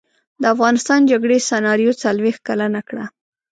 د افغانستان جګړې سناریو څلویښت کلنه کړه.